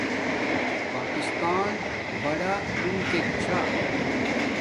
پاکستان بڑا ملکک چھا